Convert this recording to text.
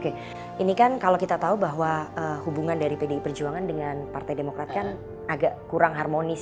oke ini kan kalau kita tahu bahwa hubungan dari pdi perjuangan dengan partai demokrat kan agak kurang harmonis